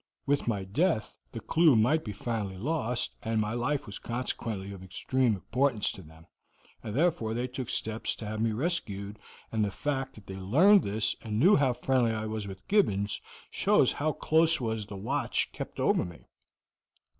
With my death the clew might be finally lost, and my life was consequently of extreme importance to them, and therefore they took steps to have me rescued, and the fact that they learned this and knew how friendly I was with Gibbons shows how close was the watch kept over me.